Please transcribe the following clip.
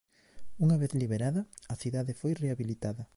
Unha vez liberada a cidade foi rehabilitada.